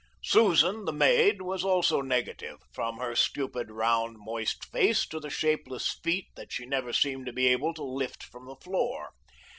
Susan, the maid, was also negative, from her stupid round, moist face to the shapeless feet that she never seemed to be able to lift from the floor.